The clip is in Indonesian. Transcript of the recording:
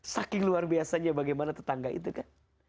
saking luar biasanya bagaimana tetangga itu kan